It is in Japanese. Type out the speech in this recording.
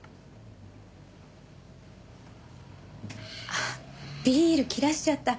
あっビール切らしちゃった。